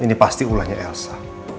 ini pasti ulahnya elsa